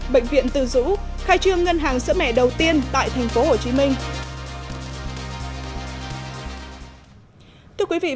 bệnh viện từ dũ